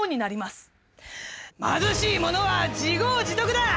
『貧しい者は自業自得だ！